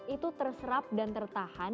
itu terserap dan tertahan